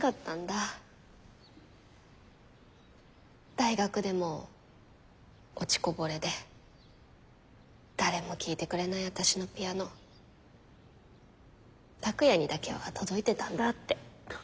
大学でも落ちこぼれで誰も聴いてくれない私のピアノ拓哉にだけは届いてたんだって。